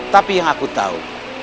tapi yang aku tahu